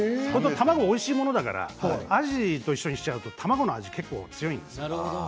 卵、おいしいものだからアジと一緒にすると卵の味が結構、強いんです。